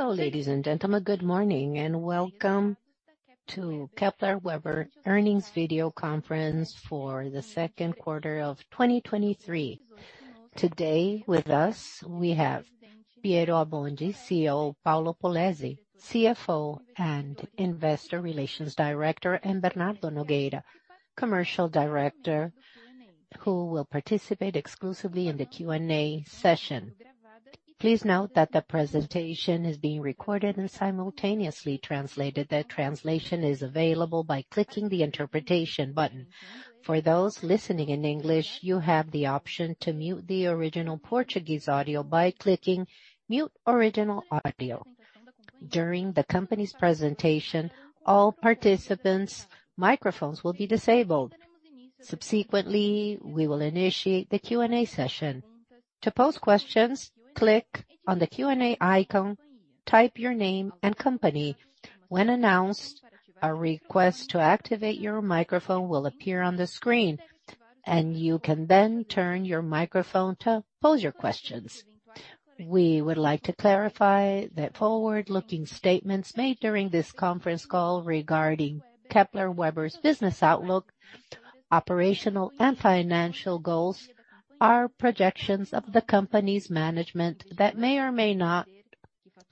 Hello, ladies and gentlemen. Good morning, and Welcome to Kepler Weber Earnings Video Conference for the Second Quarter of 2023. Today, with us, we have Piero Abbondi, CEO, Paulo Polezi, CFO and Investor Relations Director, and Bernardo Nogueira, Commercial Director, who will participate exclusively in the Q&A session. Please note that the presentation is being recorded and simultaneously translated. The translation is available by clicking the interpretation button. For those listening in English, you have the option to mute the original Portuguese audio by clicking Mute Original Audio. During the company's presentation, all participants' microphones will be disabled. Subsequently, we will initiate the Q&A session. To pose questions, click on the Q&A icon, type your name and company. When announced, a request to activate your microphone will appear on the screen, and you can then turn your microphone to pose your questions. We would like to clarify that forward-looking statements made during this conference call regarding Kepler Weber's business outlook, operational and financial goals, are projections of the company's management that may or may not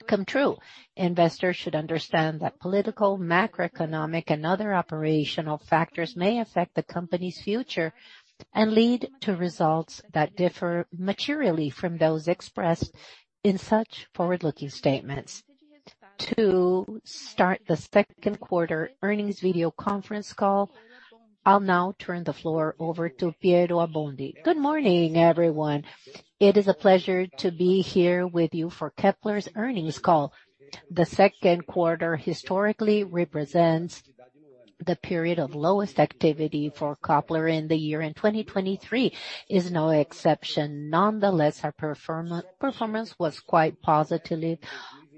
come true. Investors should understand that political, macroeconomic and other operational factors may affect the company's future and lead to results that differ materially from those expressed in such forward-looking statements. To start the second quarter earnings video conference call, I'll now turn the floor over to Piero Abbondi. Good morning, everyone. It is a pleasure to be here with you for Kepler's earnings call. The second quarter historically represents the period of lowest activity for Kepler in the year, and 2023 is no exception. Nonetheless, our performance was quite positively,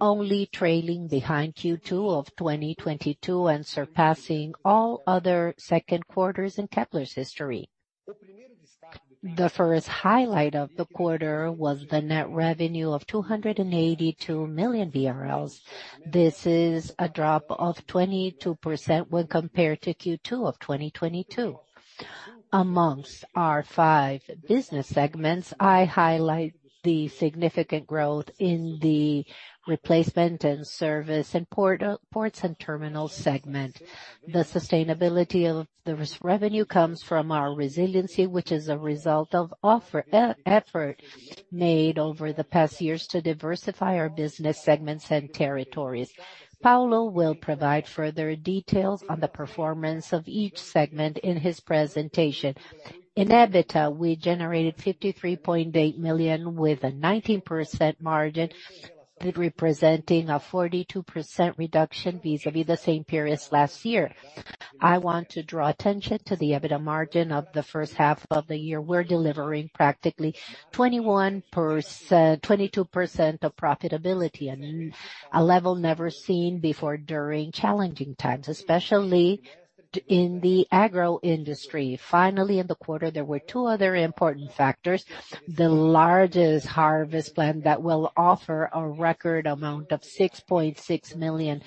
only trailing behind Q2 of 2022 and surpassing all other second quarters in Kepler's history. The first highlight of the quarter was the net revenue of 282 million BRL. This is a drop of 22% when compared to Q2 of 2022. Amongst our five business segments, I highlight the significant growth in the replacement and service and port, ports and terminals segment. The sustainability of this revenue comes from our resiliency, which is a result of offer, effort made over the past years to diversify our business segments and territories. Paulo will provide further details on the performance of each segment in his presentation. In EBITDA, we generated 53.8 million, with a 19% margin, representing a 42% reduction vis-à-vis the same period last year. I want to draw attention to the EBITDA margin of the first half of the year. We're delivering practically 21%-22% of profitability, and a level never seen before during challenging times, especially in the agroindustry. Finally, in the quarter, there were two other important factors: the largest harvest plan that will offer a record amount of 6.6 million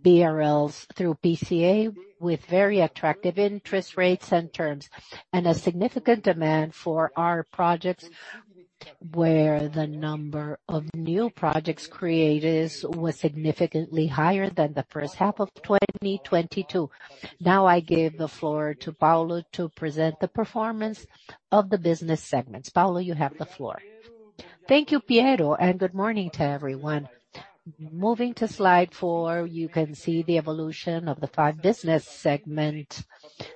BRL through BCA, with very attractive interest rates and terms, and a significant demand for our projects, where the number of new projects created was significantly higher than the first half of 2022. Now, I give the floor to Paulo to present the performance of the business segments. Paulo, you have the floor. Thank you, Piero, and good morning to everyone. Moving to slide four, you can see the evolution of the five business segment.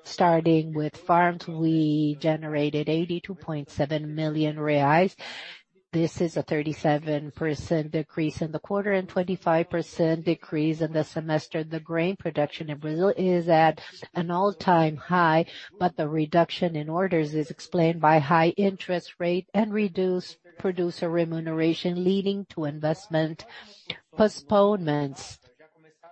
Starting with farms, we generated 82.7 million reais. This is a 37% decrease in the quarter and 25% decrease in the semester. The grain production in Brazil is at an all-time high. The reduction in orders is explained by high interest rate and reduced producer remuneration, leading to investment postponements.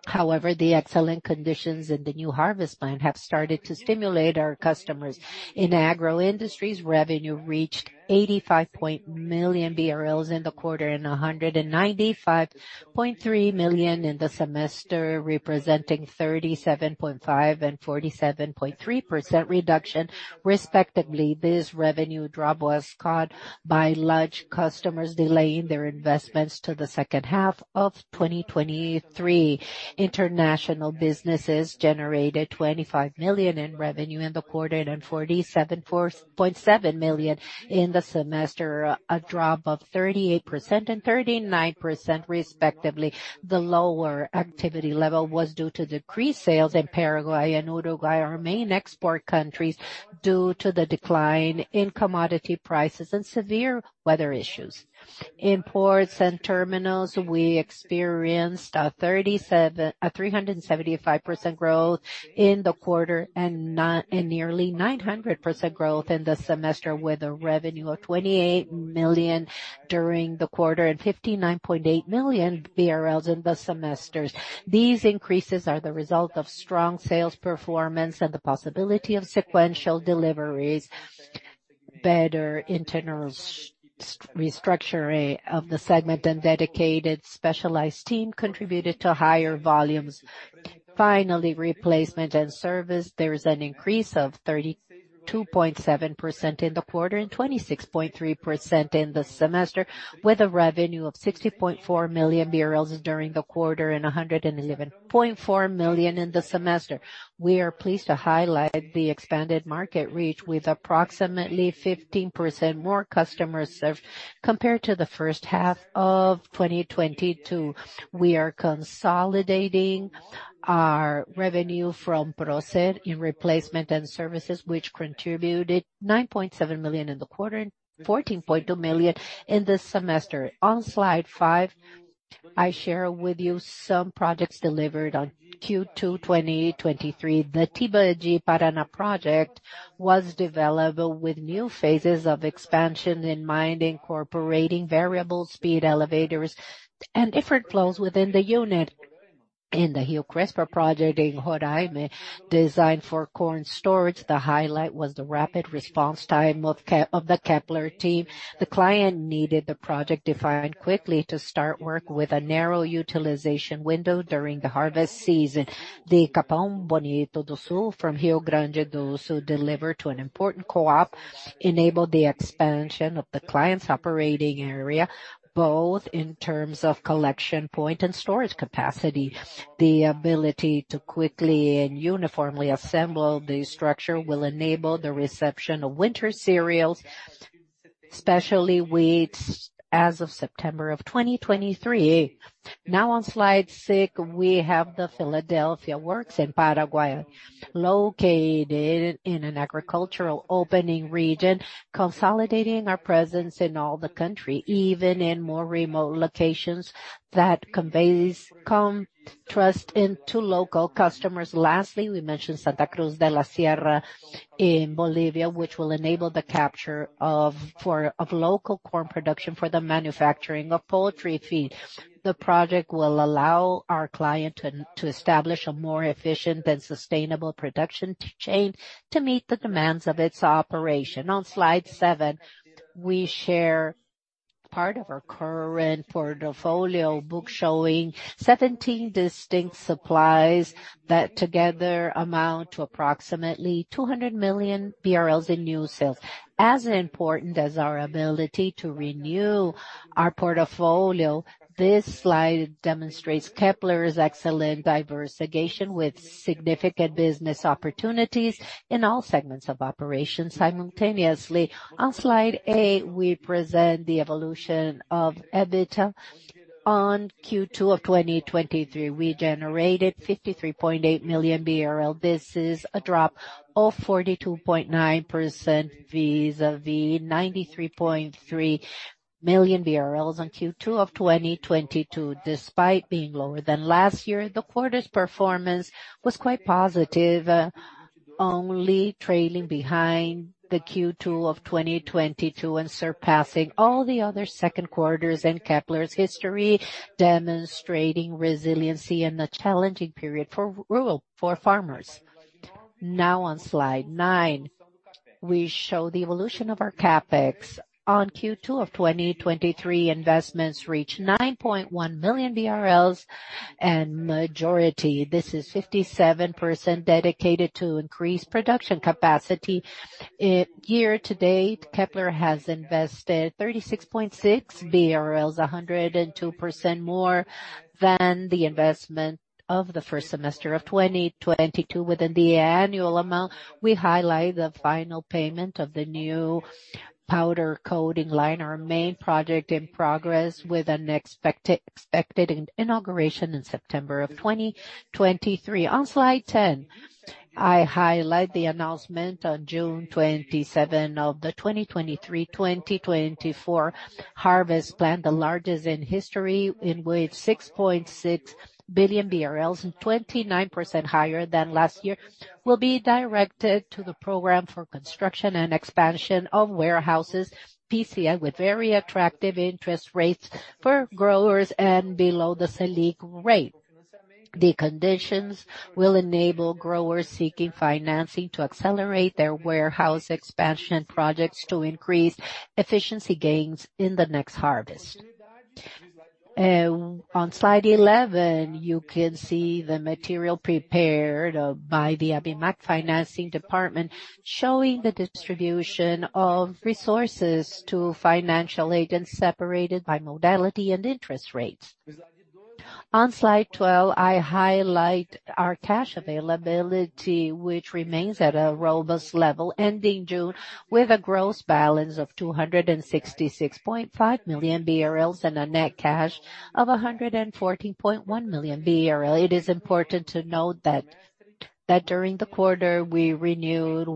The excellent conditions in the new harvest plan have started to stimulate our customers. In agro industries, revenue reached 85 million BRL in the quarter and 195.3 million in the semester, representing 37.5% and 47.3% reduction, respectively. This revenue drop was caused by large customers delaying their investments to the second half of 2023. International businesses generated 25 million in revenue in the quarter and 47.4 million in the semester, a drop of 38% and 39%, respectively. The lower activity level was due to decreased sales in Paraguay and Uruguay, our main export countries, due to the decline in commodity prices and severe weather issues. In ports and terminals, we experienced a 375% growth in the quarter and nearly 900% growth in the semester, with a revenue of 28 million during the quarter and 59.8 million in the semesters. These increases are the result of strong sales performance and the possibility of sequential deliveries. Better internal restructuring of the segment and dedicated specialized team contributed to higher volumes. Replacement and service, there is an increase of 32.7% in the quarter, and 26.3% in the semester, with a revenue of 60.4 million BRL during the quarter, and 111.4 million in the semester. We are pleased to highlight the expanded market reach, with approximately 15% more customers served, compared to the first half of 2022. We are consolidating our revenue from Procer in replacement and services, which contributed 9.7 million in the quarter, and 14.2 million in this semester. On slide five, I share with you some projects delivered on Q2, 2023. The Tibagi, Paraná project was developed with new phases of expansion in mind, incorporating variable speed elevators and different flows within the unit. In the Rio Crispa project in Roraima, designed for corn storage, the highlight was the rapid response time of the Kepler team. The client needed the project defined quickly to start work with a narrow utilization window during the harvest season. The Capão Bonito do Sul from Rio Grande do Sul, delivered to an important co-op, enabled the expansion of the client's operating area, both in terms of collection point and storage capacity. The ability to quickly and uniformly assemble the structure will enable the reception of winter cereals, especially wheats, as of September 2023. On slide six, we have the Filadelfia works in Paraguay, located in an agricultural opening region, consolidating our presence in all the country, even in more remote locations. That conveys calm, trust into local customers. Lastly, we mentioned Santa Cruz de la Sierra in Bolivia, which will enable the capture of local corn production for the manufacturing of poultry feed. The project will allow our client to establish a more efficient and sustainable production chain to meet the demands of its operation. On slide seven, we share part of our current portfolio book, showing 17 distinct supplies that together amount to approximately 200 million BRL in new sales. As important as our ability to renew our portfolio, this slide demonstrates Kepler's excellent diversification, with significant business opportunities in all segments of operations simultaneously. On slide eight, we present the evolution of EBITDA. On Q2 of 2023, we generated 53.8 million BRL. This is a drop of 42.9% vis-a-vis 93.3 million BRL on Q2 of 2022. Despite being lower than last year, the quarter's performance was quite positive, only trailing behind the Q2 of 2022, and surpassing all the other second quarters in Kepler's history, demonstrating resiliency in a challenging period for rural for farmers. On slide nine, we show the evolution of our CapEx. On Q2 of 2023, investments reached 9.1 million BRL, and majority, this is 57%, dedicated to increased production capacity. Year to date, Kepler has invested 36.6 BRL, 102% more than the investment of the first semester of 2022. Within the annual amount, we highlight the final payment of the new powder coating line, our main project in progress, with an expected inauguration in September of 2023. On slide 10, I highlight the announcement on June 27 of the 2023/2024 harvest plan, the largest in history, in which 6.6 billion BRL, and 29% higher than last year, will be directed to the program for construction and expansion of warehouses, PCA, with very attractive interest rates for growers and below the SELIC rate. The conditions will enable growers seeking financing to accelerate their warehouse expansion projects to increase efficiency gains in the next harvest. On slide 11, you can see the material prepared by the ABIMAQ financing department, showing the distribution of resources to financial agents, separated by modality and interest rates. On slide 12, I highlight our cash availability, which remains at a robust level, ending June with a gross balance of 266.5 million BRL, and a net cash of 114.1 million BRL. It is important to note that during the quarter, we renewed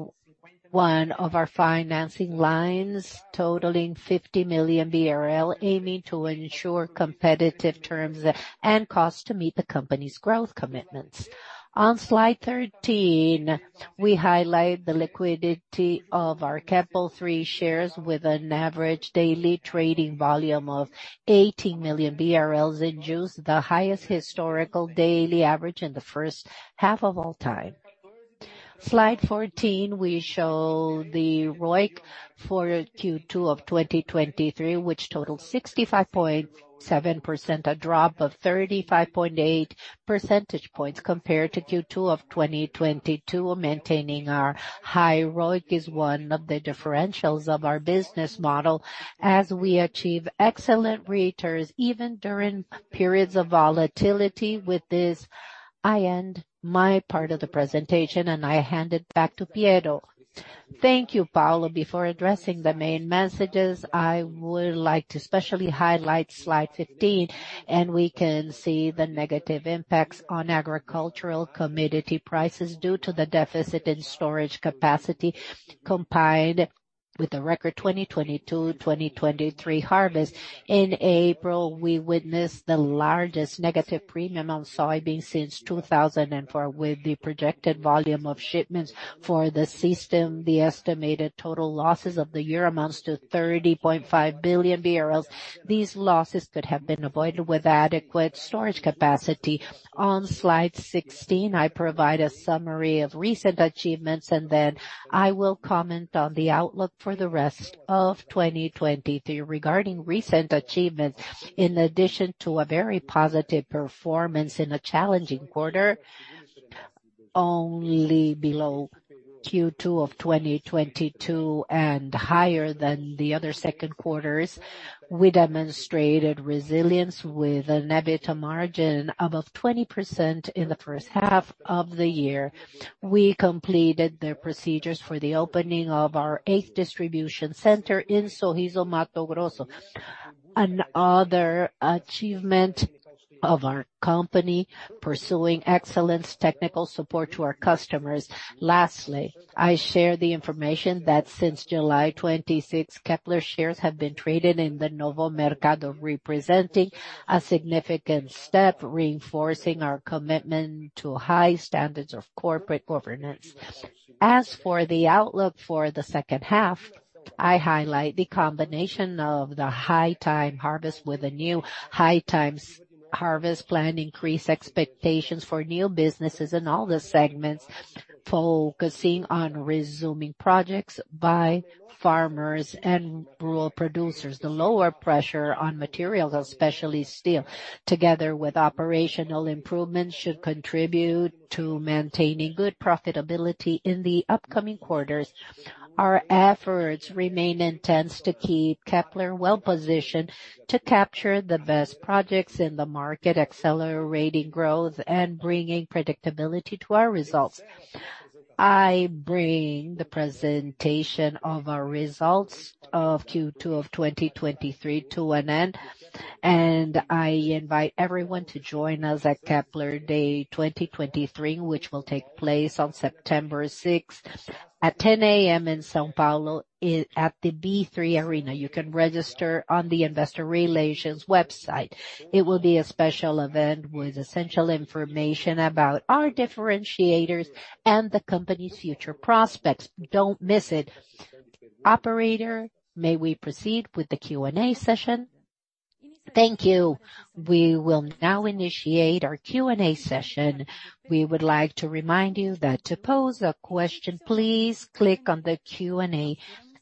one of our financing lines, totaling 50 million BRL, aiming to ensure competitive terms and costs to meet the company's growth commitments. On slide 13, we highlight the liquidity of our KEPL3 shares, with an average daily trading volume of 18 million BRL in June, the highest historical daily average in the first half of all time. Slide 14, we show the ROIC for Q2 of 2023, which totaled 65.7%, a drop of 35.8 percentage points compared to Q2 of 2022. Maintaining our high ROIC is one of the differentials of our business model, as we achieve excellent returns even during periods of volatility. With this, I end my part of the presentation, and I hand it back to Piero. Thank you, Paulo. Before addressing the main messages, I would like to specially highlight slide 15, and we can see the negative impacts on agricultural commodity prices due to the deficit in storage capacity, combined with a record 2022/2023 harvest. In April, we witnessed the largest negative premium on soybeans since 2004, with the projected volume of shipments for the system. The estimated total losses of the year amounts to 30.5 billion barrels. These losses could have been avoided with adequate storage capacity. On slide 16, I provide a summary of recent achievements. Then I will comment on the outlook for the rest of 2023. Regarding recent achievements, in addition to a very positive performance in a challenging quarter, only below Q2 of 2022 and higher than the other second quarters, we demonstrated resilience with an EBITDA margin above 20% in the first half of the year. We completed the procedures for the opening of our eighth distribution center in Sorriso, Mato Grosso. Another achievement of our company, pursuing excellence, technical support to our customers. Lastly, I share the information that since July 26, Kepler shares have been traded in the Novo Mercado, representing a significant step, reinforcing our commitment to high standards of corporate governance. As for the outlook for the second half, I highlight the combination of the high time harvest with a new high times harvest plan, increased expectations for new businesses in all the segments, focusing on resuming projects by farmers and rural producers. The lower pressure on materials, especially steel, together with operational improvements, should contribute to maintaining good profitability in the upcoming quarters. Our efforts remain intense to keep Kepler well-positioned to capture the best projects in the market, accelerating growth and bringing predictability to our results. I bring the presentation of our results of Q2 of 2023 to an end, I invite everyone to join us at Kepler Day 2023, which will take place on September 6th at 10:00 A.M. in São Paulo, at the B3 Arena. You can register on the Investor Relations website. It will be a special event with essential information about our differentiators and the company's future prospects. Don't miss it! Operator, may we proceed with the Q&A session? Thank you. We will now initiate our Q&A session. We would like to remind you that to pose a question, please click on the Q&A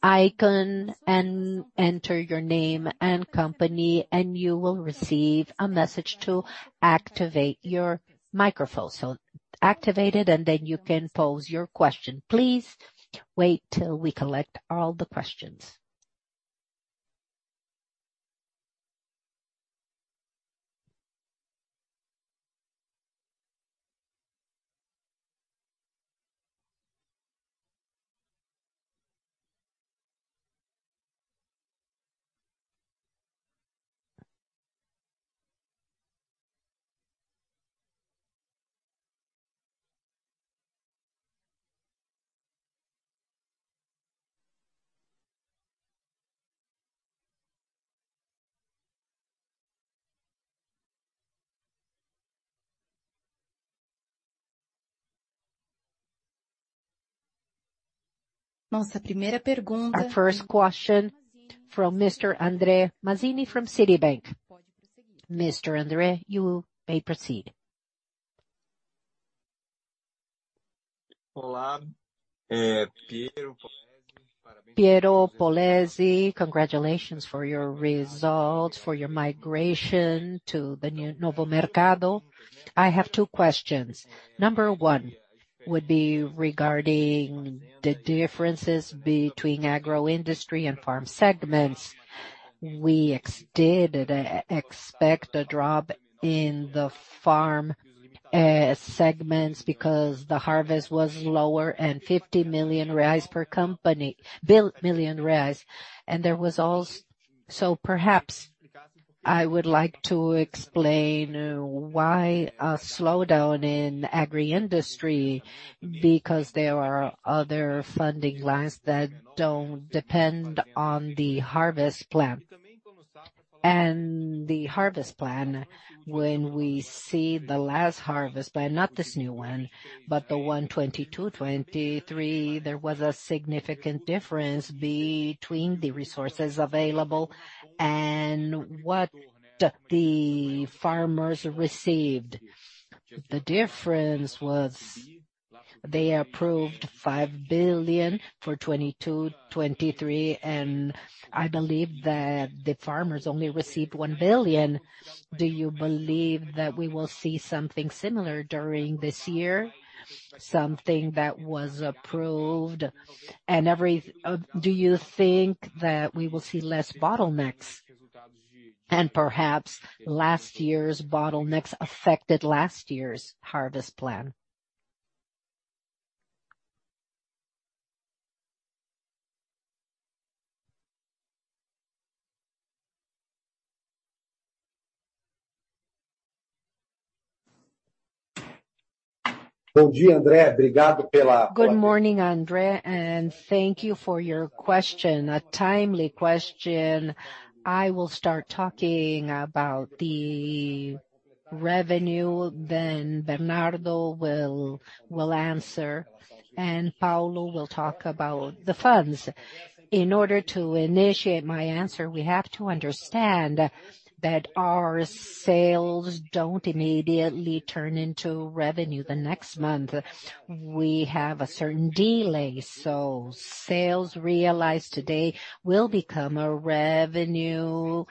icon and enter your name and company, and you will receive a message to activate your microphone. Activate it, and then you can pose your question. Please wait till we collect all the questions. Our first question from Mr. Andre Mazini, from Citibank. Mr. Andre, you may proceed. Olá, Piero, Polezi, congratulations for your results, for your migration to the new Novo Mercado. I have two questions. Number one would be regarding the differences between agro industry and farm segments. We did expect a drop in the farm segments because the harvest was lower and 50 million reais per company million reais, and there was also. Perhaps I would like to explain why a slowdown in agri industry, because there are other funding lines that don't depend on the harvest plan. The harvest plan, when we see the last harvest, but not this new one, but the one 2022, 2023, there was a significant difference between the resources available and what the farmers received. The difference was. They approved 5 billion for 2022, 2023, and I believe that the farmers only received 1 billion. Do you believe that we will see something similar during this year, something that was approved and do you think that we will see less bottlenecks, and perhaps last year's bottlenecks affected last year's harvest plan? Good morning, Andrea. Thank you for your question. A timely question. I will start talking about the revenue. Bernardo will, will answer. Paulo will talk about the funds. In order to initiate my answer, we have to understand that our sales don't immediately turn into revenue the next month. We have a certain delay. Sales realized today will become a revenue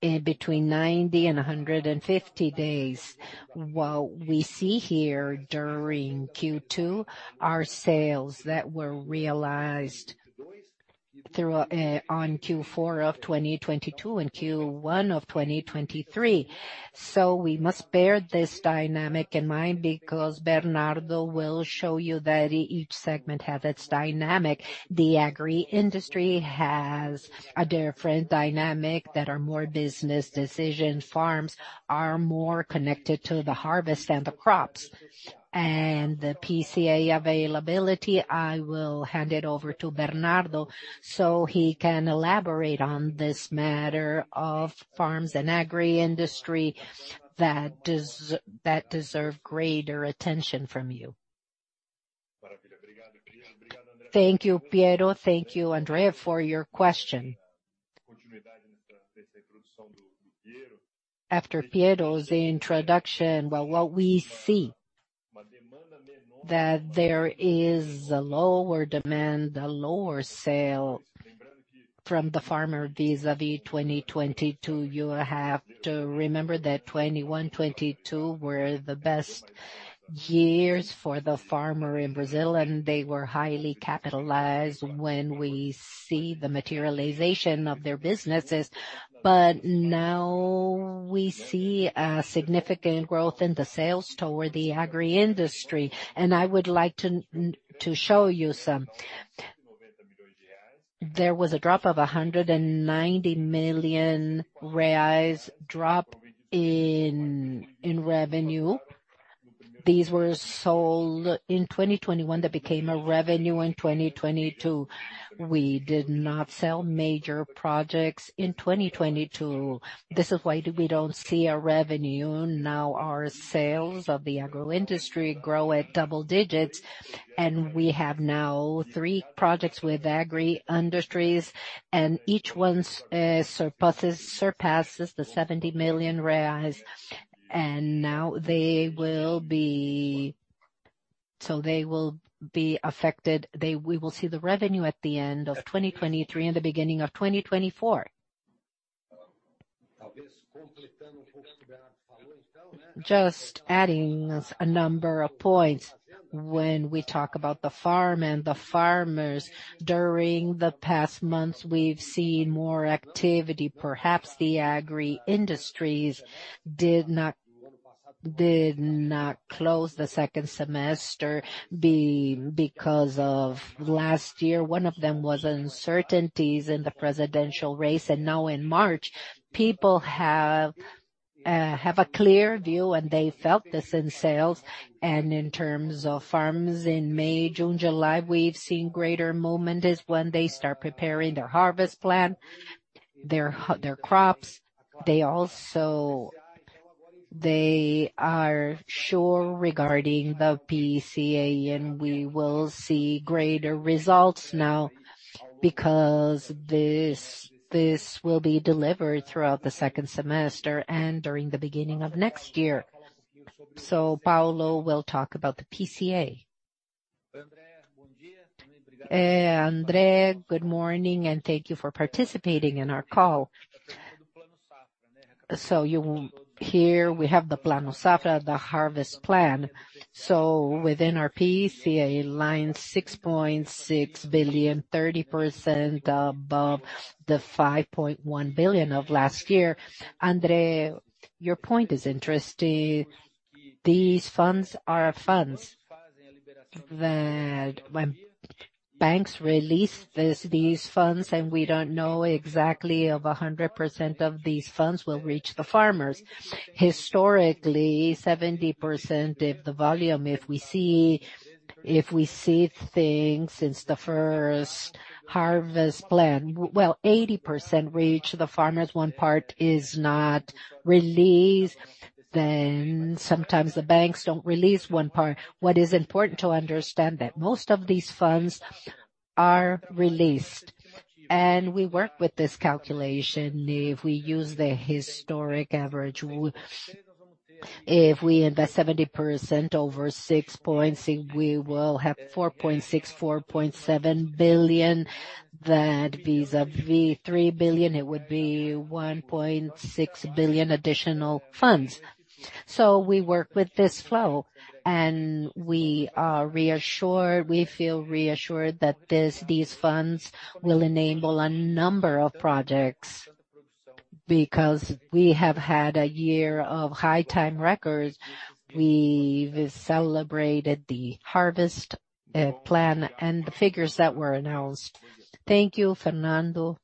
in between 90 and 150 days. What we see here during Q2 are sales that were realized through on Q4 of 2022 and Q1 of 2023. We must bear this dynamic in mind, because Bernardo will show you that each segment have its dynamic. The agri industry has a different dynamic that are more business decision. Farms are more connected to the harvest and the crops. The PCA availability, I will hand it over to Bernardo, so he can elaborate on this matter of farms and agri industry that deserve greater attention from you. Thank you, Piero. Thank you, Andrea, for your question. After Piero's introduction, well, what we see, that there is a lower demand, a lower sale from the farmer vis-a-vis 2022. You have to remember that 2021, 2022 were the best years for the farmer in Brazil, and they were highly capitalized when we see the materialization of their businesses. Now we see a significant growth in the sales toward the agri industry, and I would like to show you some. There was a drop of 190 million reais drop in revenue. These were sold in 2021. They became a revenue in 2022. We did not sell major projects in 2022. This is why we don't see a revenue. Now, our sales of the agro industry grow at double digits, and we have now three projects with agri industries, and each one's surpasses, surpasses the R$70 million, and now they will be. They will be affected. We will see the revenue at the end of 2023 and the beginning of 2024. Just adding a number of points. When we talk about the farm and the farmers, during the past months, we've seen more activity. Perhaps the agri industries did not, did not close the second semester because of last year. One of them was uncertainties in the presidential race, and now in March, people have, have a clear view, and they felt this in sales. In terms of farms in May, June, July, we've seen greater moment is when they start preparing their harvest plan, their crops. They are sure regarding the PCA, and we will see greater results now, because this, this will be delivered throughout the second semester and during the beginning of next year. Paulo will talk about the PCA. Andre, good morning, and thank you for participating in our call. You will hear we have the Plano SAFRA, the harvest plan. Within our PCA line, $6.6 billion, 30% above the $5.1 billion of last year. Andre, your point is interesting. These funds are funds that when banks release this, these funds, and we don't know exactly of 100% of these funds will reach the farmers. Historically, 70% of the volume, if we see, if we see things since the first harvest plan, well, 80% reach the farmers. One part is not released. Sometimes the banks don't release one part. What is important to understand that most of these funds are released, and we work with this calculation. If we use the historic average, if we invest 70% over 6.6 billion, we will have 4.6 billion, 4.7 billion. That vis-a-vis 3 billion, it would be 1.6 billion additional funds. We work with this flow, and we are reassured, we feel reassured that this, these funds will enable a number of projects. Because we have had a year of high time records, we've celebrated the harvest plan, and the figures that were announced. Thank you, Fernando.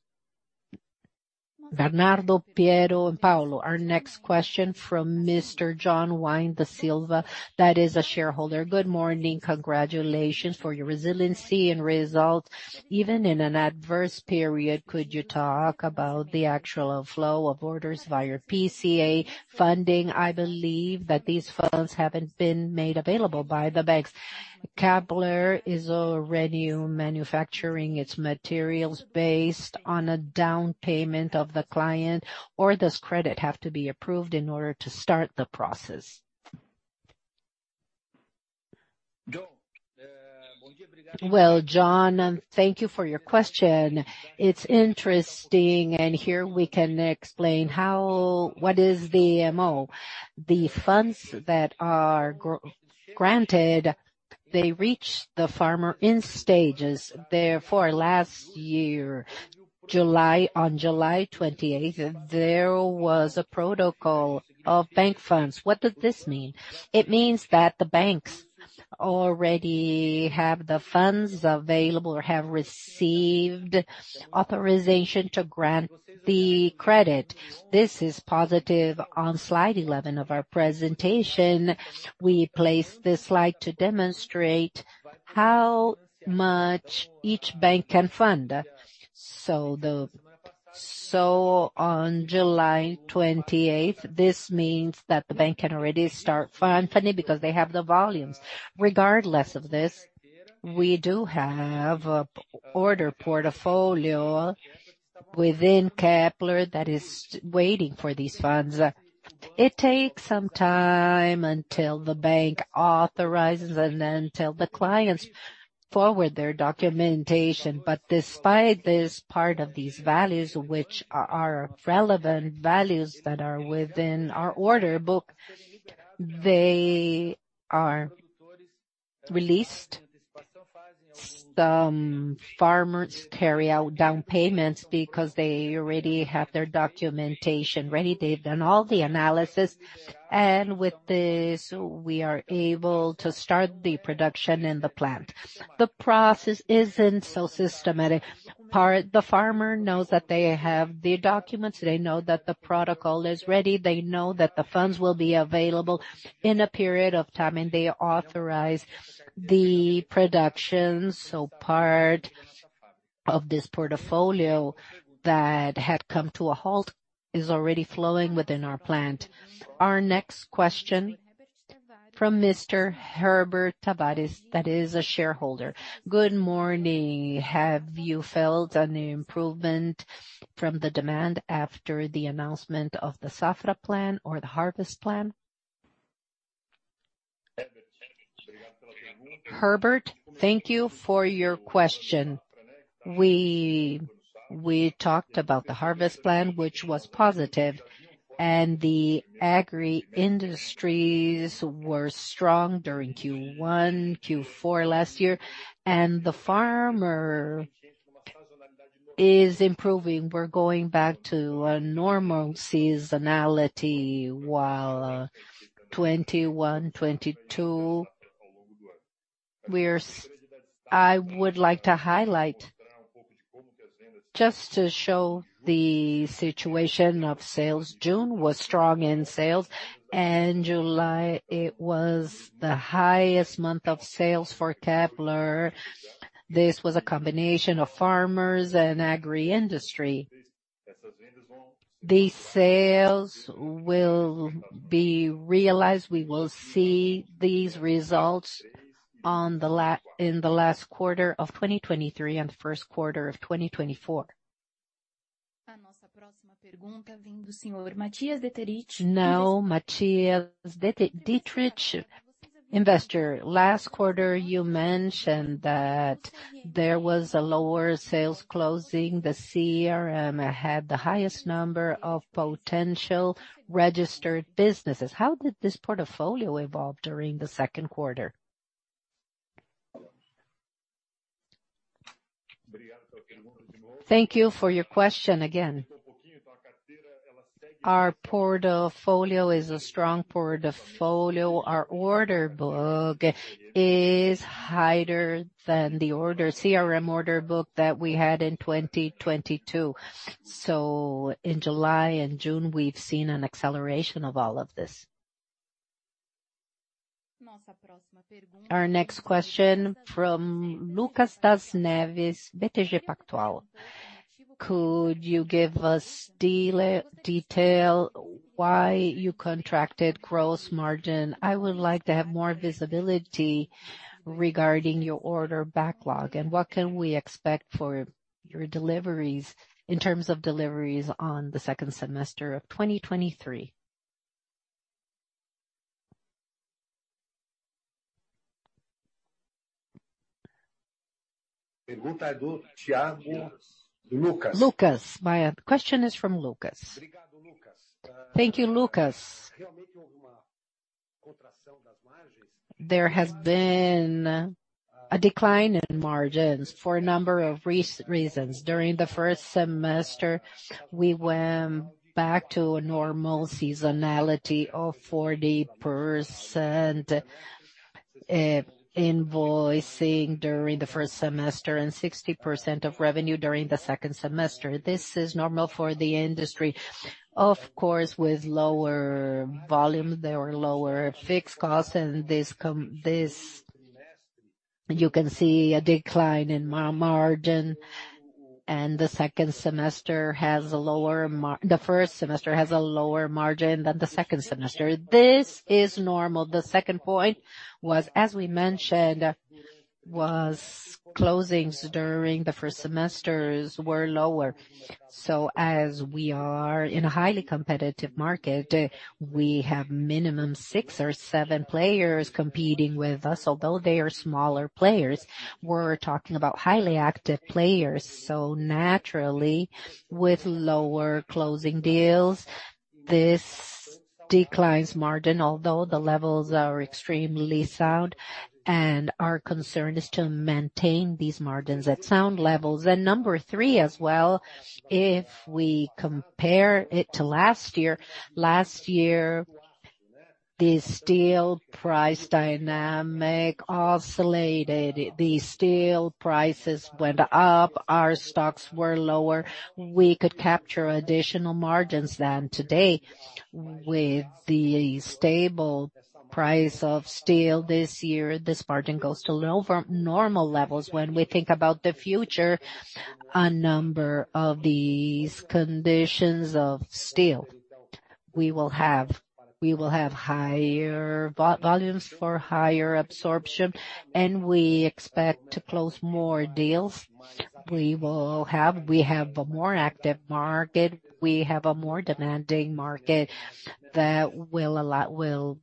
Bernardo, Piero and Paulo. Our next question from Mr. João Waideman da Silva, that is a shareholder. Good morning. Congratulations for your resiliency and result, even in an adverse period. Could you talk about the actual flow of orders via your PCA funding? I believe that these funds haven't been made available by the banks. Kepler is already manufacturing its materials based on a down payment of the client, or does credit have to be approved in order to start the process? Well, John, thank you for your question. It's interesting, and here we can explain how what is the MO. The funds that are granted, they reach the farmer in stages. Therefore, last year, July, on July 28th, there was a protocol of bank funds. What does this mean? It means that the banks already have the funds available or have received authorization to grant the credit. This is positive. On slide 11 of our presentation, we placed this slide to demonstrate how much each bank can fund. On July 28th, this means that the bank can already start funding because they have the volumes. Regardless of this, we do have an order portfolio within Kepler that is waiting for these funds. It takes some time until the bank authorizes and until the clients forward their documentation. Despite this, part of these values, which are relevant values that are within our order book, they are released. Some farmers carry out down payments because they already have their documentation ready. They've done all the analysis, and with this, we are able to start the production in the plant. The process isn't so systematic. The farmer knows that they have the documents, they know that the protocol is ready, they know that the funds will be available in a period of time, they authorize the production. Part of this portfolio that had come to a halt is already flowing within our plant. Our next question from Mr. Herbert Tavares, that is a shareholder. Good morning. Have you felt an improvement from the demand after the announcement of the SAFRA plan or the harvest plan? Herbert, thank you for your question. We talked about the harvest plan, which was positive, the agri industries were strong during Q1, Q4 last year, the farmer is improving. We're going back to a normal seasonality, while 2021, 2022, I would like to highlight, just to show the situation of sales. June was strong in sales, July, it was the highest month of sales for Kepler. This was a combination of farmers and agri-industry. These sales will be realized. We will see these results in the last quarter of 2023 and the first quarter of 2024. Now, Matthias Dietrich, investor. Last quarter, you mentioned that there was a lower sales closing. The CRM had the highest number of potential registered businesses. How did this portfolio evolve during the second quarter? Thank you for your question again. Our portfolio is a strong portfolio. Our order book is higher than the order, CRM order book that we had in 2022. In July and June, we've seen an acceleration of all of this. Our next question from Lucas das Neves, BTG Pactual. Could you give us detail why you contracted gross margin? I would like to have more visibility regarding your order backlog, what can we expect for your deliveries, in terms of deliveries on the second semester of 2023? Lucas. Lucas. My question is from Lucas. Thank you, Lucas. There has been a decline in margins for a number of reasons. During the first semester, we went back to a normal seasonality of 40% invoicing during the first semester, and 60% of revenue during the second semester. This is normal for the industry. Of course, with lower volume, there are lower fixed costs, this, you can see a decline in margin, and the second semester has a lower The first semester has a lower margin than the second semester. This is normal. The second point was, as we mentioned, was closings during the first semesters were lower. As we are in a highly competitive market, we have minimum six or seven players competing with us, although they are smaller players. We're talking about highly active players, naturally, with lower closing deals, this declines margin, although the levels are extremely sound, and our concern is to maintain these margins at sound levels. Number three as well, if we compare it to last year, last year, the steel price dynamic oscillated. The steel prices went up, our stocks were lower. We could capture additional margins than today. With the stable price of steel this year, this margin goes to lower normal levels. When we think about the future, a number of these conditions of steel, we will have. We will have higher volumes for higher absorption, and we expect to close more deals. We have a more active market, we have a more demanding market that will allow,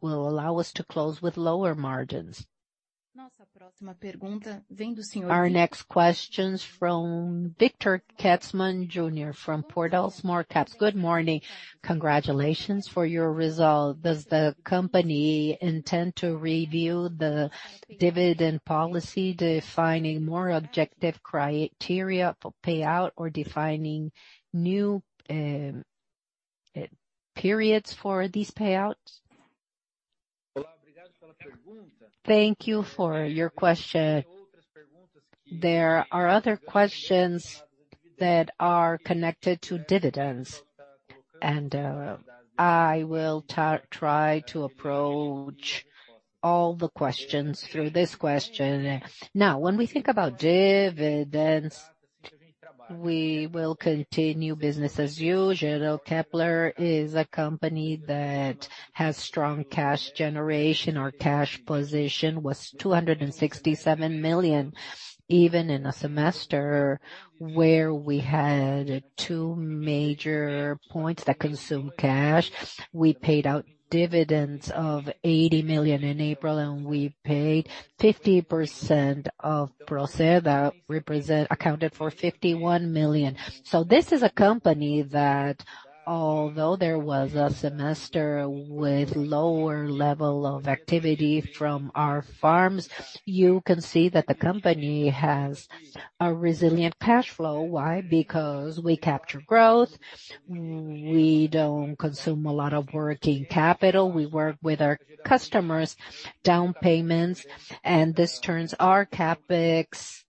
will allow us to close with lower margins. Our next question's from Victor Kietzmann Junior from Portal Small Caps. Good morning. Congratulations for your result. Does the company intend to review the dividend policy, defining more objective criteria for payout or defining new periods for these payouts? Thank you for your question. There are other questions that are connected to dividends, and, I will try to approach all the questions through this question. Now, when we think about dividends, we will continue business as usual. Kepler is a company that has strong cash generation. Our cash position was 267 million, even in a semester where we had two major points that consumed cash. We paid out dividends of 80 million in April, and we paid 50% of Procer, accounted for 51 million. This is a company that, although there was a semester with lower level of activity from our farms, you can see that the company has a resilient cash flow. Why? Because we capture growth, we don't consume a lot of working capital. We work with our customers' down payments, and this turns our CapEx.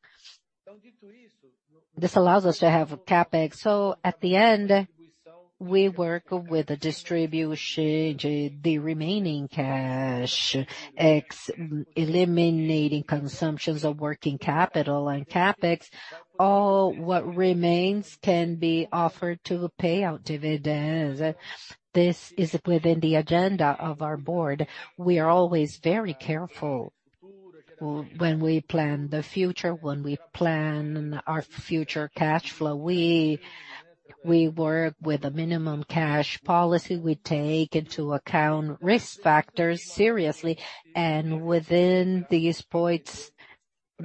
This allows us to have CapEx. At the end, we work with the distribution, the remaining cash, eliminating consumptions of working capital and CapEx, all what remains can be offered to pay out dividends. This is within the agenda of our board. We are always very careful when we plan the future, when we plan our future cash flow. We work with a minimum cash policy. We take into account risk factors seriously. Within these points,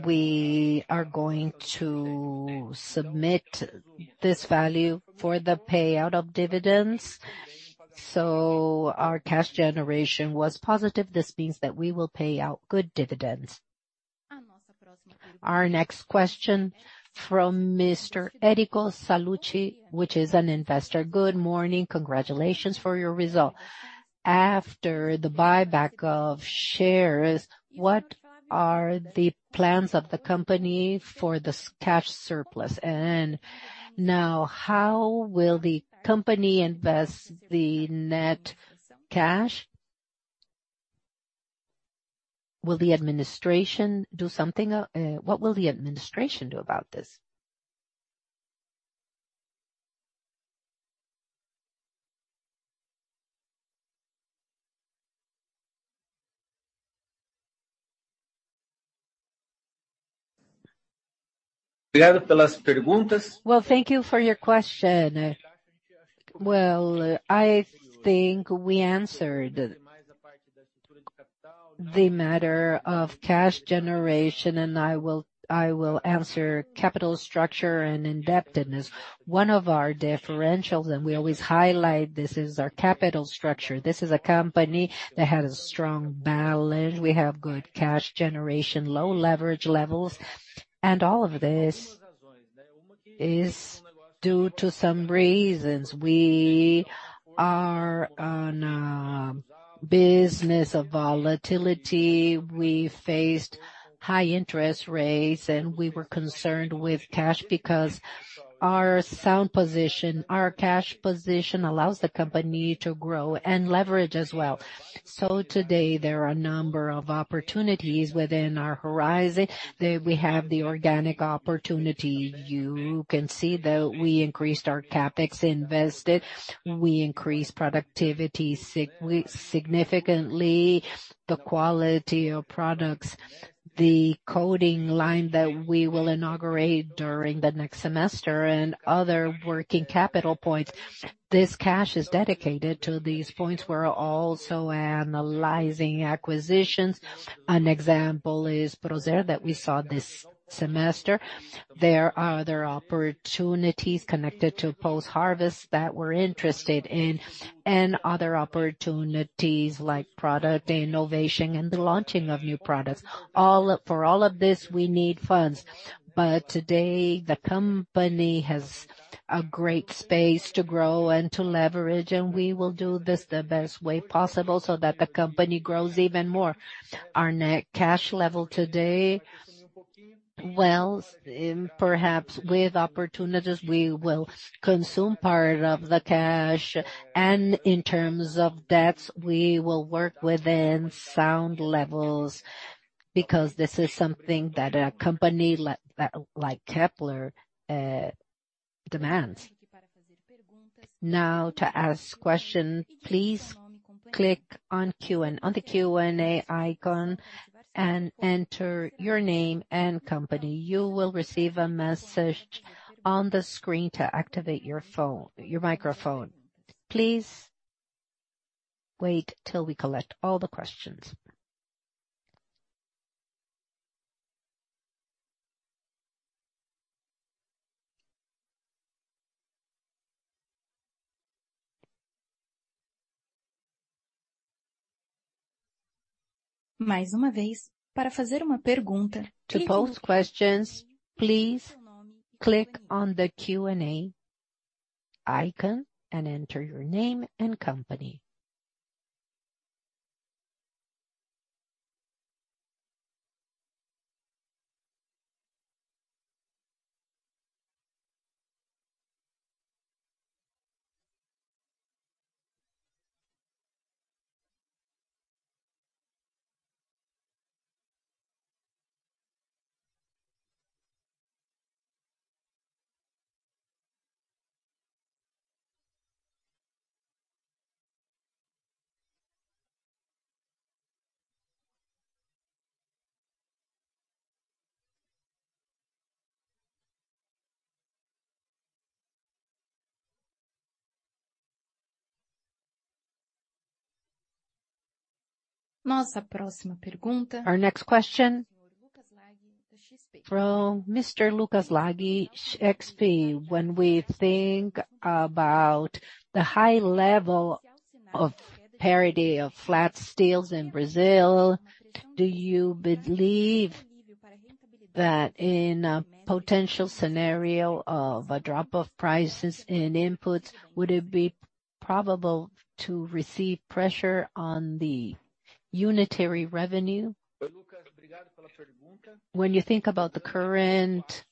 we are going to submit this value for the payout of dividends. Our cash generation was positive. This means that we will pay out good dividends. Our next question from Mr. Erico Salucci, which is an investor. Good morning. Congratulations for your result. After the buyback of shares, what are the plans of the company for this cash surplus? Now, how will the company invest the net cash? Will the administration do something, what will the administration do about this? Well, thank you for your question. Well, I think we answered the matter of cash generation, and I will answer capital structure and indebtedness. One of our differentials, we always highlight this, is our capital structure. This is a company that has a strong balance. We have good cash generation, low leverage levels. All of this is due to some reasons. We are on a business of volatility. We faced high interest rates. We were concerned with cash because our sound position, our cash position allows the company to grow and leverage as well. Today, there are a number of opportunities within our horizon, that we have the organic opportunity. You can see that we increased our CapEx invested, we increased productivity significantly, the quality of products, the coding line that we will inaugurate during the next semester and other working capital points. This cash is dedicated to these points. We're also analyzing acquisitions. An example is Procer that we saw this semester. There are other opportunities connected to post-harvest that we're interested in, and other opportunities like product innovation and the launching of new products. For all of this, we need funds. Today, the company has a great space to grow and to leverage. We will do this the best way possible so that the company grows even more. Our net cash level today, well, perhaps with opportunities, we will consume part of the cash. In terms of debts, we will work within sound levels, because this is something that a company like Kepler demands. Now, to ask question, please click on Q&A-- on the Q&A icon and enter your name and company. You will receive a message on the screen to activate your phone-- your microphone. Please wait till we collect all the questions. To pose questions, please click on the Q&A icon and enter your name and company. Our next question, from Mr. Lucas Laghi, XP. When we think about the high level of parity of flat steels in Brazil, do you believe that in a potential scenario of a drop of prices in inputs, would it be probable to receive pressure on the unitary revenue? When you think about the current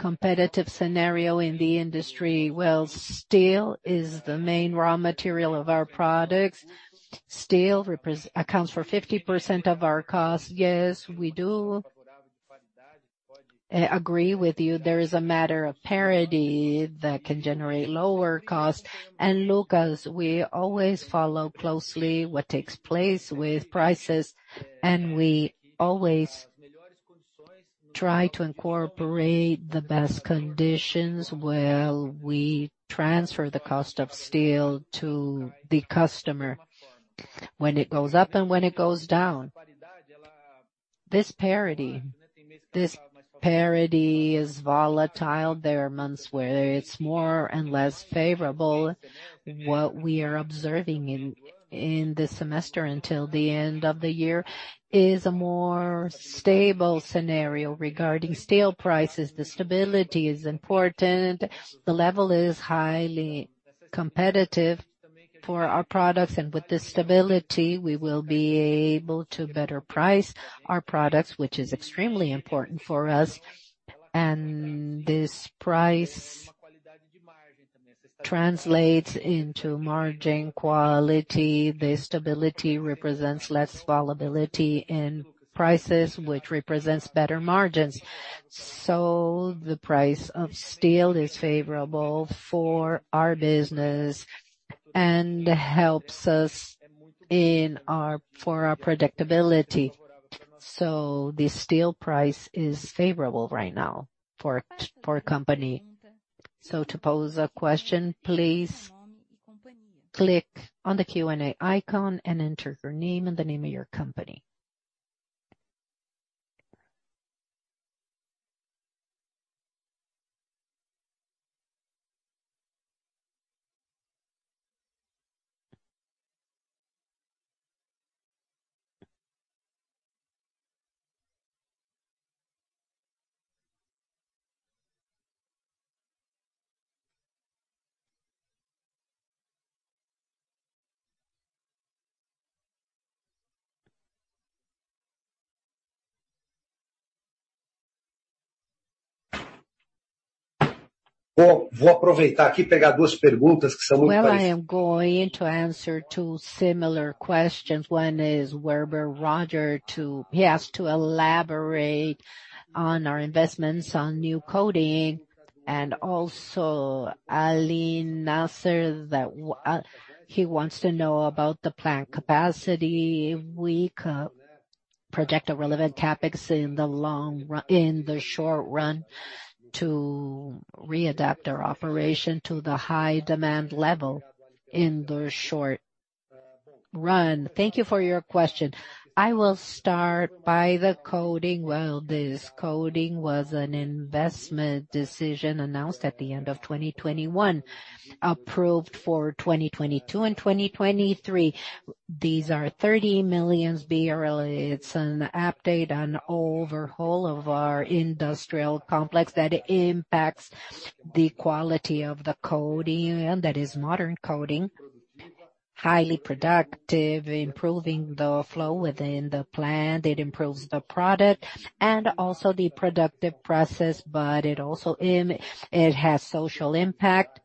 competitive scenario in the industry, well, steel is the main raw material of our products. Steel accounts for 50% of our cost. Yes, we do agree with you. There is a matter of parity that can generate lower cost. Lucas, we always follow closely what takes place with prices, and we always try to incorporate the best conditions, where we transfer the cost of steel to the customer when it goes up and when it goes down. This parity, this parity is volatile. There are months where it's more and less favorable. What we are observing in, in this semester until the end of the year, is a more stable scenario regarding steel prices. The stability is important, the level is highly competitive for our products, and with this stability, we will be able to better price our products, which is extremely important for us. This price translates into margin quality. The stability represents less volatility in prices, which represents better margins. The price of steel is favorable for our business and helps us for our predictability. The steel price is favorable right now for our company. To pose a question, please click on the Q&A icon and enter your name and the name of your company. Well, I am going to answer two similar questions. One is Werber Roger, he asked to elaborate on our investments on new coating, also Aline Nasser, that he wants to know about the plant capacity. We project a relevant CapEx in the short run, to readapt our operation to the high demand level in the short run. Thank you for your question. I will start by the coating. Well, this coating was an investment decision announced at the end of 2021, approved for 2022 and 2023. These are 30 million BRL. It's an update, an overhaul of our industrial complex that impacts the quality of the coating, that is modern coating, highly productive, improving the flow within the plant. It improves the product and also the productive process, it also has social impact,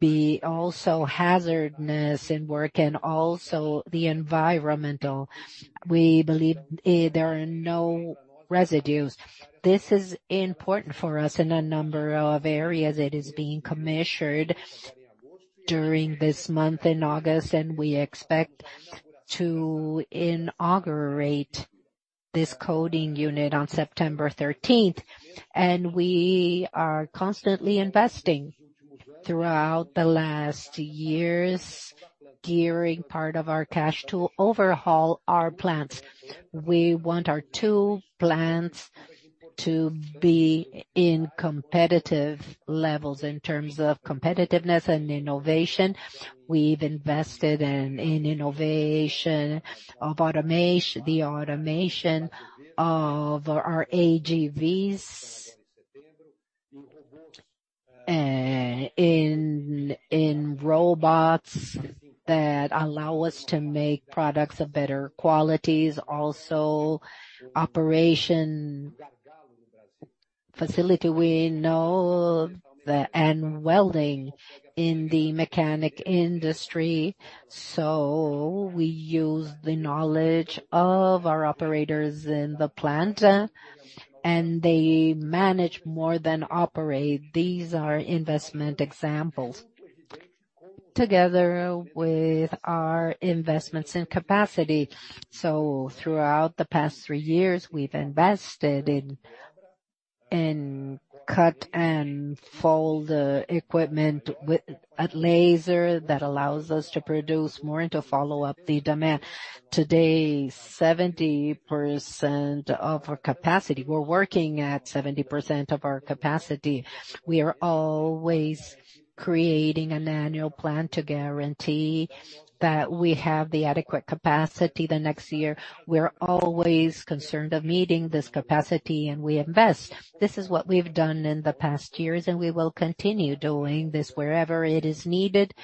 the also hazardousness in work and also the environmental. We believe there are no residues. This is important for us in a number of areas. It is being commissioned during this month in August, we expect to inaugurate this coating unit on September 13th. We are constantly investing throughout the last years, gearing part of our cash to overhaul our plants. We want our two plants to be in competitive levels in terms of competitiveness and innovation. We've invested in innovation of the automation of our AGVs, in robots that allow us to make products of better qualities, also operation facility. We know the end welding in the mechanic industry, so we use the knowledge of our operators in the plant, and they manage more than operate. These are investment examples, together with our investments in capacity. Throughout the past three years, we've invested in cut and fold equipment with a laser that allows us to produce more and to follow up the demand. Today, 70% of our capacity. We're working at 70% of our capacity. We are always creating an annual plan to guarantee that we have the adequate capacity the next year. We're always concerned of meeting this capacity, and we invest. This is what we've done in the past years, and we will continue doing this. Wherever it is needed,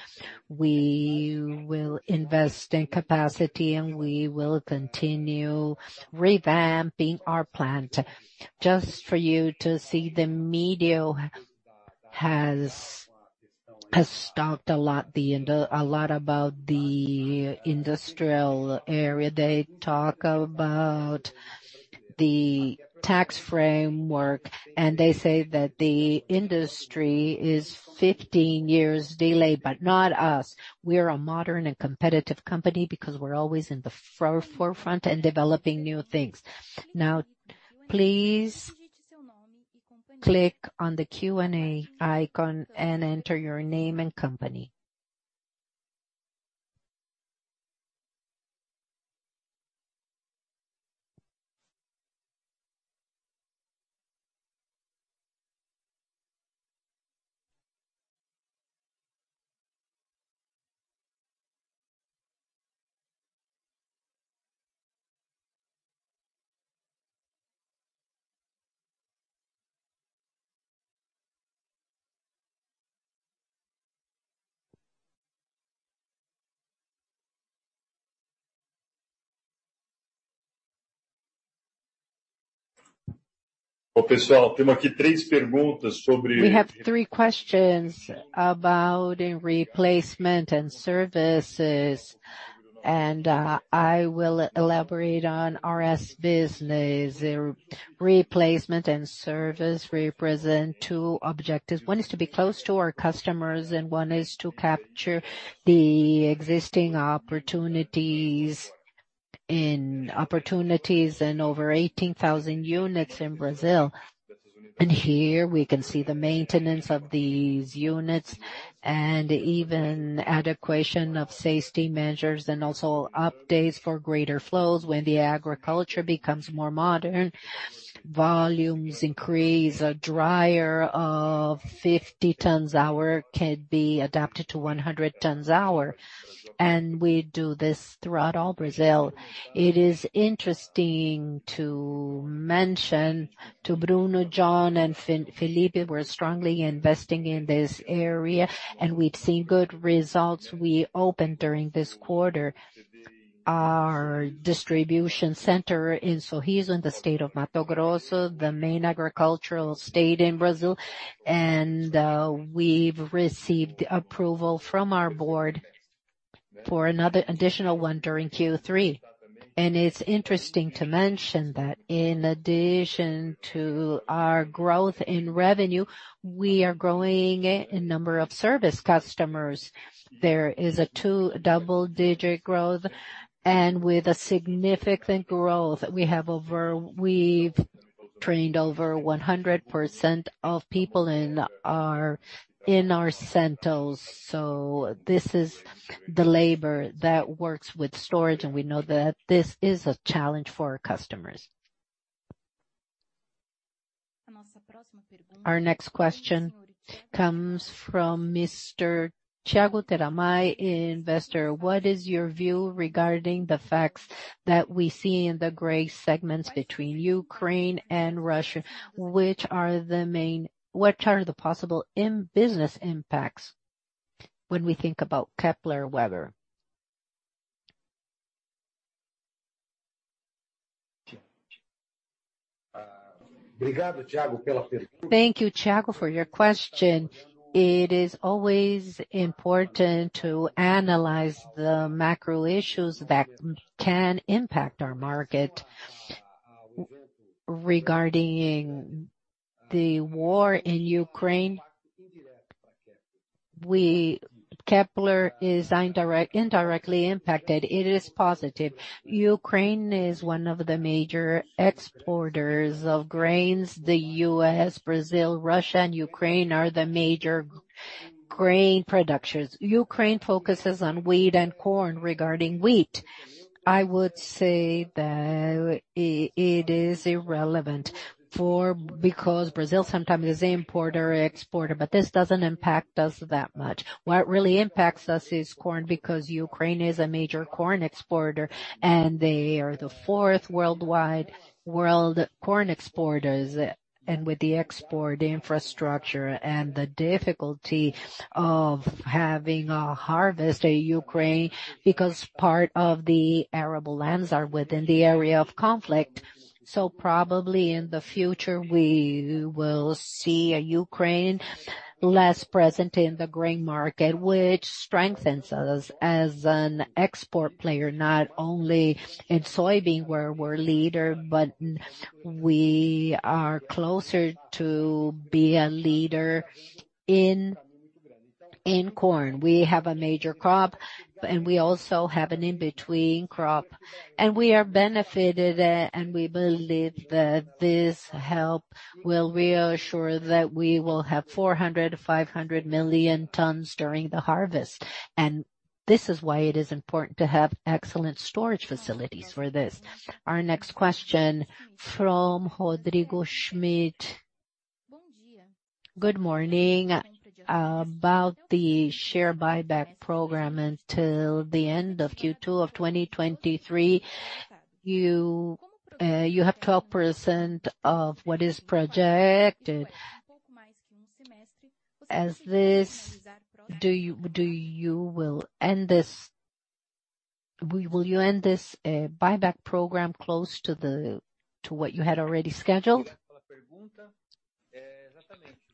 we will invest in capacity, and we will continue revamping our plant. Just for you to see, the media has talked a lot about the industrial area. They talk about the tax framework, and they say that the industry is 15 years delayed, but not us. We are a modern and competitive company because we're always in the forefront and developing new things. Now, please click on the Q&A icon and enter your name and company. Oh, pessoal, we have aqui three questions We have three questions about replacement and services, and I will elaborate on RS business. Replacement and service represent two objectives. One is to be close to our customers and one is to capture the existing opportunities in over 18,000 units in Brazil. Here we can see the maintenance of these units and even adequate of safety measures and also updates for greater flows. When the agriculture becomes more modern, volumes increase. A dryer of 50 tons hour can be adapted to 100 tons hour, and we do this throughout all Brazil. It is interesting to mention to Bruno, John and Philippe, we're strongly investing in this area. We've seen good results. We opened during this quarter, our distribution center in Sorriso, in the state of Mato Grosso, the main agricultural state in Brazil. We've received approval from our board for another additional one during Q3. It's interesting to mention that in addition to our growth in revenue, we are growing in number of service customers. There is a double-digit growth and with a significant growth, we've trained over 100% of people in our, in our centers. This is the labor that works with storage. We know that this is a challenge for our customers. Our next question comes from Mr. Tiago Teramai, investor. What is your view regarding the facts that we see in the grain segments between Ukraine and Russia? What are the possible business impacts when we think about Kepler Weber? Thank you, Tiago, for your question. It is always important to analyze the macro issues that can impact our market. Regarding the war in Ukraine, Kepler is indirect, indirectly impacted. It is positive. Ukraine is one of the major exporters of grains. The U.S., Brazil, Russia, and Ukraine are the major grain producers. Ukraine focuses on wheat and corn. Regarding wheat, I would say that it is irrelevant for -- because Brazil sometimes is importer, exporter, but this doesn't impact us that much. What really impacts us is corn, because Ukraine is a major corn exporter, and they are the fourth worldwide world corn exporters. With the export infrastructure and the difficulty of having a harvest in Ukraine, because part of the arable lands are within the area of conflict. Probably in the future, we will see Ukraine less present in the grain market, which strengthens us as an export player, not only in soybean, where we're leader, but we are closer to be a leader in, in corn. We have a major crop, and we also have an in-between crop, and we are benefited, and we believe that this help will reassure that we will have 400-500 million tons during the harvest. This is why it is important to have excellent storage facilities for this. Our next question from Rodrigo Schmidt. Good morning. About the share buyback program, until the end of Q2 of 2023, you have 12% of what is projected. As this, will you end this buyback program close to what you had already scheduled?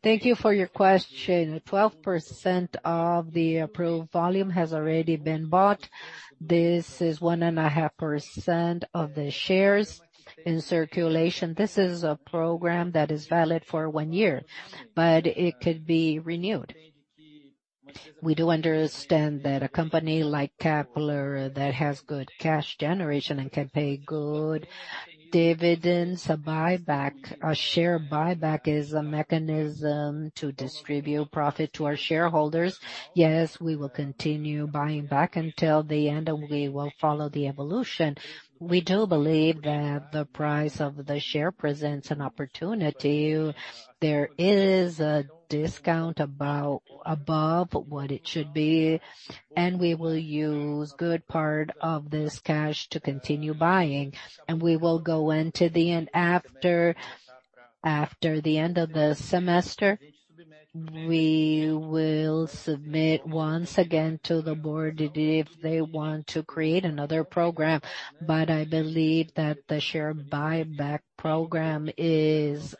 Thank you for your question. 12% of the approved volume has already been bought. This is 1.5% of the shares in circulation. This is a program that is valid for 1 year, but it could be renewed. We do understand that a company like Kepler, that has good cash generation and can pay good dividends, a buyback, a share buyback, is a mechanism to distribute profit to our shareholders. Yes, we will continue buying back until the end, and we will follow the evolution. We do believe that the price of the share presents an opportunity. There is a discount about above what it should be, and we will use good part of this cash to continue buying, and we will go into the end. After the end of the semester? We will submit once again to the board if they want to create another program, but I believe that the share buyback program is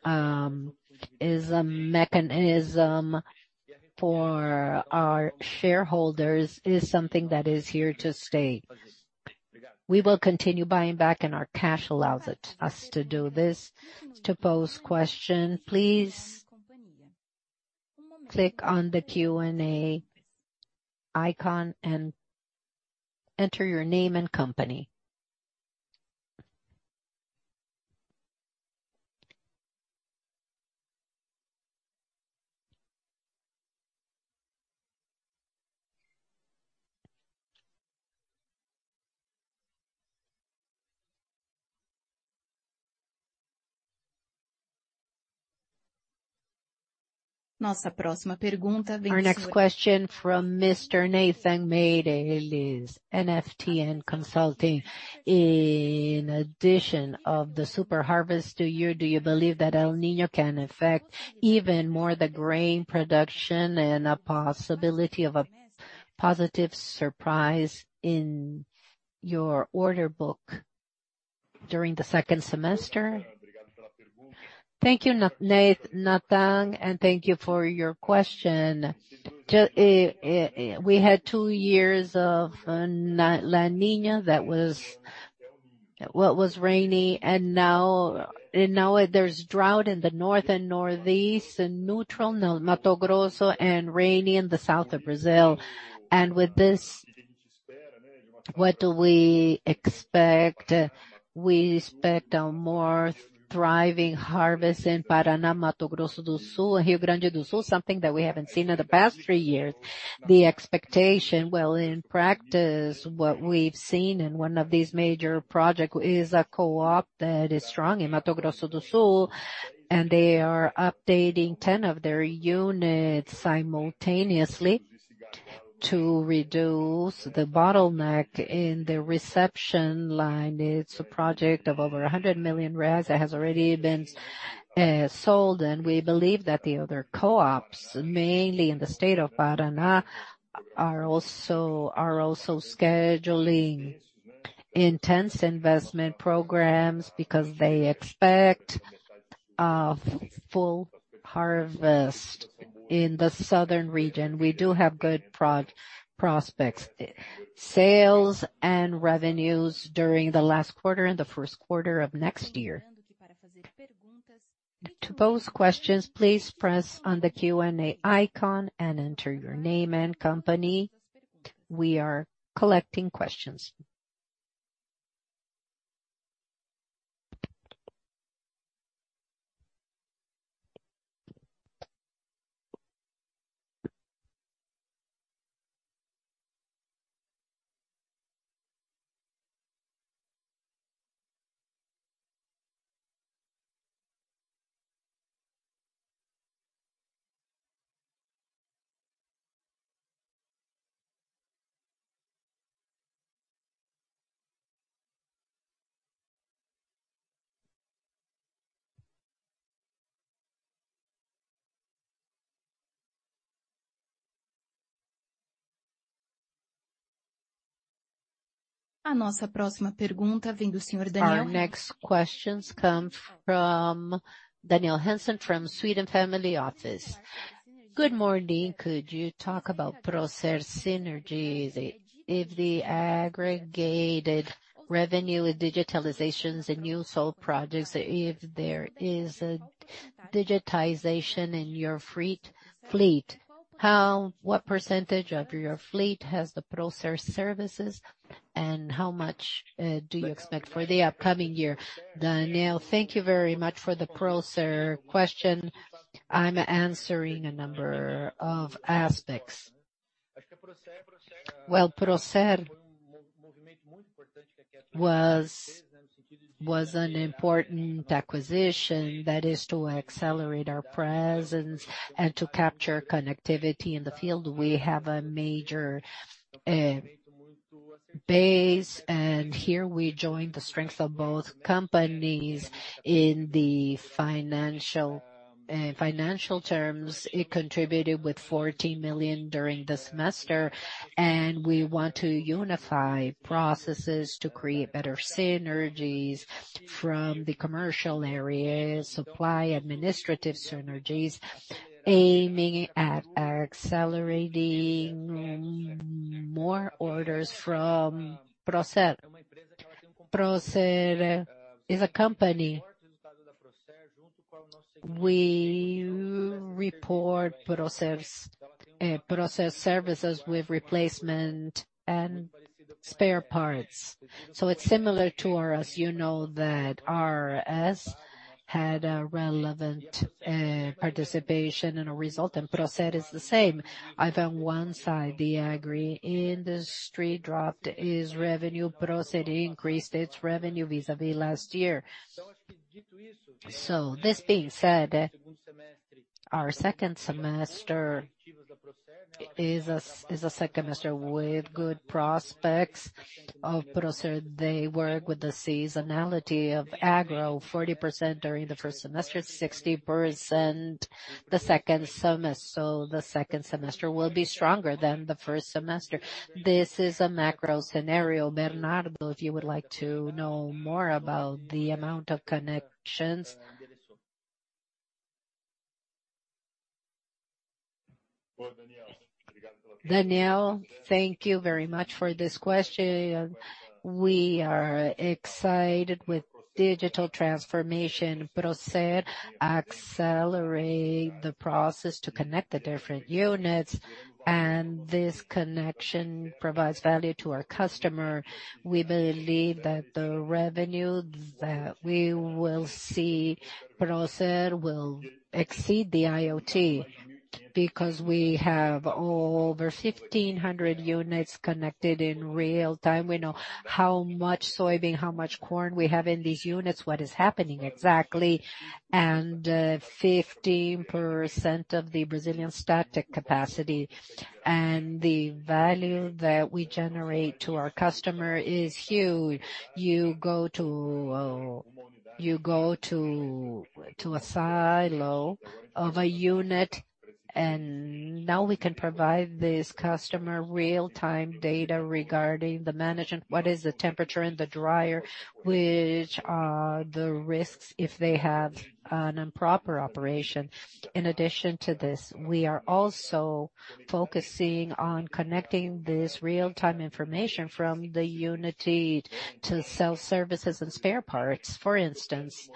a mechanism for our shareholders, is something that is here to stay. We will continue buying back and our cash allows us to do this. To pose question, please click on the Q&A icon and enter your name and company. Our next question from Mr. Nathan Mayde, is NFTN Consulting. In addition of the super harvest to you, do you believe that El Niño can affect even more the grain production and a possibility of a positive surprise in your order book during the second semester? Thank you, Nathan, and thank you for your question. We had two years of La Niña, that was, what was rainy, and now, and now there's drought in the north and northeast and neutral in Mato Grosso, and rainy in the south of Brazil. With this, what do we expect? We expect a more thriving harvest in Parana, Mato Grosso do Sul, and Rio Grande do Sul, something that we haven't seen in the past three years. The expectation, well, in practice, what we've seen in one of these major project is a co-op that is strong in Mato Grosso do Sul, and they are updating 10 of their units simultaneously to reduce the bottleneck in the reception line. It's a project of over 100 million that has already been sold. We believe that the other co-ops, mainly in the state of Paraná, are also scheduling intense investment programs because they expect a full harvest in the southern region. We do have good prospects, sales and revenues during the last quarter and the first quarter of next year. To pose questions, please press on the Q&A icon and enter your name and company. We are collecting questions. Our next questions come from Daniel Henson, from Sweden Family Office. Good morning. Could you talk about Procer synergies, if the aggregated revenue with digitalizations and new sold projects, if there is a digitization in your fleet, what percentage of your fleet has the Procer services, and how much do you expect for the upcoming year? Daniel, thank you very much for the Procer question. I'm answering a number of aspects. Well, Procer was an important acquisition, that is to accelerate our presence and to capture connectivity in the field. We have a major base, and here we join the strength of both companies. In the financial, financial terms, it contributed with 14 million during the semester, and we want to unify processes to create better synergies from the commercial area, supply administrative synergies, aiming at accelerating more orders from Procer. Procer is a company. We report Procer's Procer services with replacement and spare parts. It's similar to ours. You know that RS had a relevant participation and a result, and Procer is the same. I found one side, the agri industry dropped its revenue, Procer increased its revenue vis-a-vis last year. This being said. Our second semester is a second semester with good prospects of Procer. They work with the seasonality of agro, 40% during the first semester, 60% the second semester. The second semester will be stronger than the first semester. This is a macro scenario. Bernardo, if you would like to know more about the amount of connections? Daniel, thank you very much for this question. We are excited with digital transformation. Procer accelerate the process to connect the different units, and this connection provides value to our customer. We believe that the revenue that we will see, Procer will exceed the IoT, because we have over 1,500 units connected in real time. We know how much soybean, how much corn we have in these units, what is happening exactly, and 15% of the Brazilian static capacity. The value that we generate to our customer is huge. You go to, you go to, to a silo of a unit, and now we can provide this customer real-time data regarding the management. What is the temperature in the dryer, which are the risks if they have an improper operation? In addition to this, we are also focusing on connecting this real-time information from the unit to sell services and spare parts. For instance,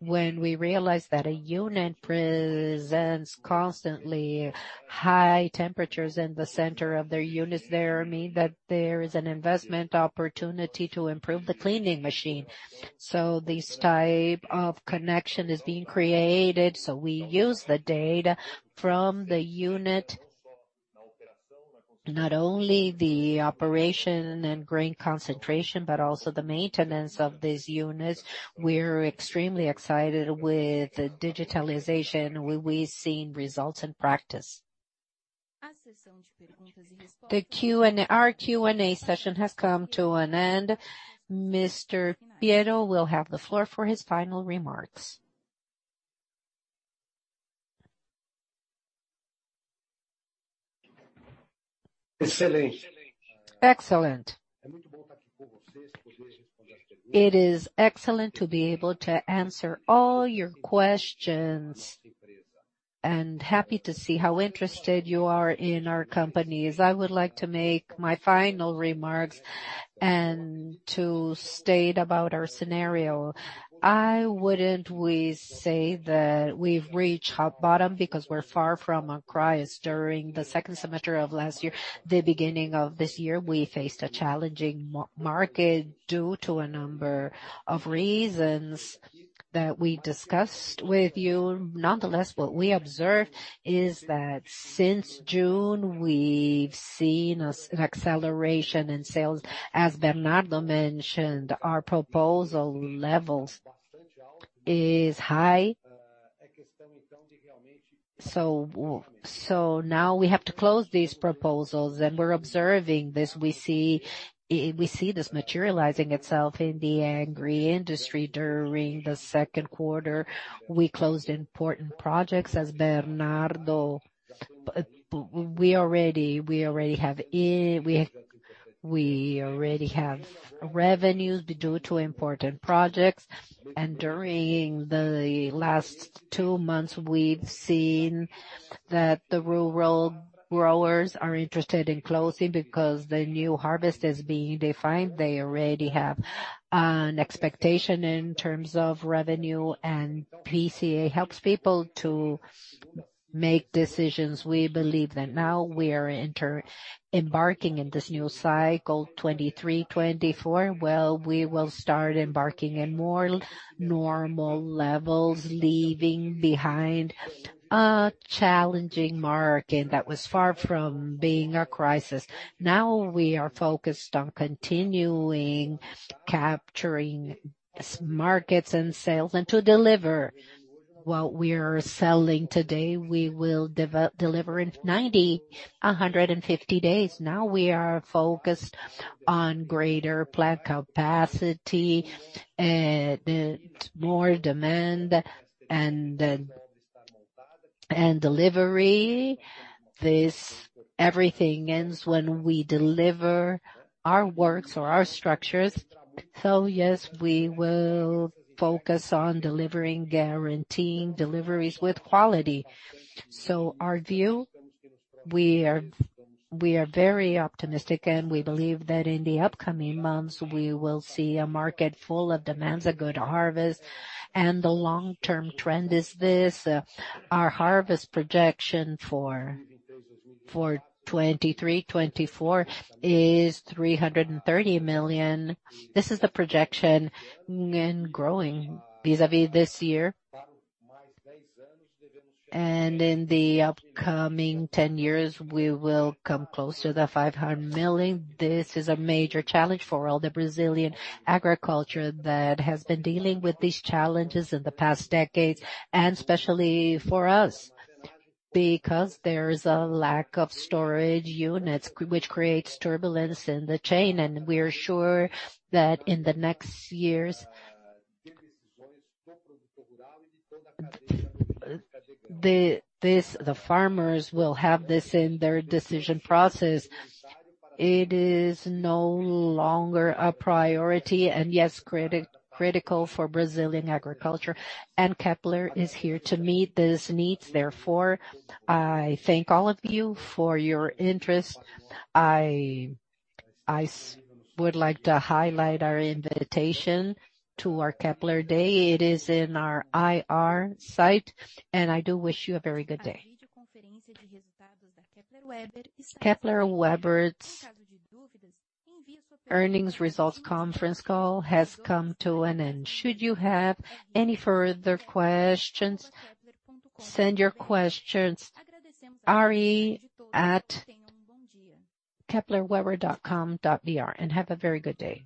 when we realize that a unit presents constantly high temperatures in the center of their units, there mean that there is an investment opportunity to improve the cleaning machine. This type of connection is being created. We use the data from the unit, not only the operation and grain concentration, but also the maintenance of these units. We're extremely excited with the digitalization, we've seen results in practice. Our Q&A session has come to an end. Mr. Piero will have the floor for his final remarks. Excellent! It is excellent to be able to answer all your questions, and happy to see how interested you are in our companies. I would like to make my final remarks and to state about our scenario. I wouldn't we say that we've reached bottom, because we're far from a crisis. During the second semester of last year, the beginning of this year, we faced a challenging market due to a number of reasons that we discussed with you. Nonetheless, what we observed is that since June, we've seen an acceleration in sales. As Bernardo mentioned, our proposal levels is high. Now we have to close these proposals, and we're observing this. We see, we see this materializing itself in the agri industry. During the second quarter, we closed important projects as Bernardo. We already have, we, we already have revenues due to important projects, and during the last two months, we've seen that the rural growers are interested in closing because the new harvest is being defined. They already have an expectation in terms of revenue, and VCA helps people to make decisions. We believe that now we are embarking in this new cycle, 2023, 2024, well, we will start embarking in more normal levels, leaving behind a challenging market that was far from being a crisis. Now, we are focused on continuing capturing markets and sales, and to deliver what we are selling today, we will deliver in 90, 150 days. Now, we are focused on greater plant capacity, more demand, and delivery. Everything ends when we deliver our works or our structures. Yes, we will focus on delivering, guaranteeing deliveries with quality. Our view, we are, we are very optimistic, and we believe that in the upcoming months, we will see a market full of demands, a good harvest, and the long-term trend is this. Our harvest projection for, for 2023, 2024 is 330 million. This is the projection and growing vis-a-vis this year. In the upcoming 10 years, we will come close to the 500 million. This is a major challenge for all the Brazilian agriculture that has been dealing with these challenges in the past decades, and especially for us, because there's a lack of storage units, which creates turbulence in the chain. We are sure that in the next years, the farmers will have this in their decision process. It is no longer a priority, and yes, critical for Brazilian agriculture, and Kepler is here to meet these needs. Therefore, I thank all of you for your interest. I would like to highlight our invitation to our Kepler Day. It is in our IR site, and I do wish you a very good day. Kepler Weber's earnings results conference call has come to an end. Should you have any further questions, send your questions, ri@keplerweber.com.br, and have a very good day.